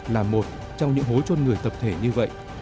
là một trong những hố trôn người tập thể như vậy